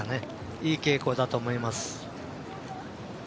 いい傾向だと思います。